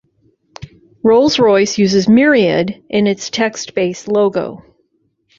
Rolls-Royce uses Myriad in its text-based logo.